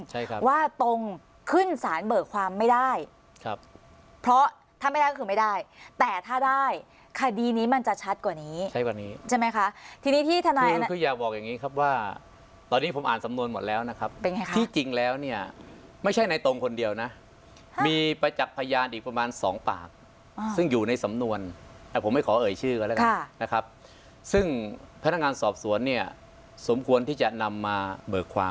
ใช่ครับว่าตรงขึ้นสารเบิกความไม่ได้ครับเพราะถ้าไม่ได้ก็คือไม่ได้แต่ถ้าได้คดีนี้มันจะชัดกว่านี้ใช่กว่านี้ใช่ไหมค่ะทีนี้ที่ทนายคืออยากบอกอย่างงี้ครับว่าตอนนี้ผมอ่านสำนวนหมดแล้วนะครับเป็นไงค่ะที่จริงแล้วเนี้ยไม่ใช่ในตรงคนเดียวนะมีประจักษ์พยานอีกประมาณสองปากซึ่งอยู่ในสำนวนแต่ผมไม่ขอเอ